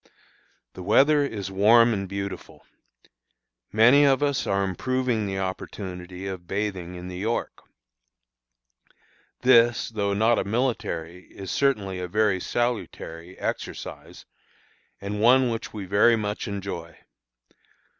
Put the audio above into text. The weather is warm and beautiful. Many of us are improving the opportunity of bathing in the York. This, though not a military, is certainly a very salutary, exercise, and one which we very much enjoy.